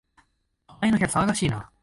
隣の部屋、騒がしいな